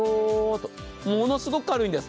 ものすごく軽いんです。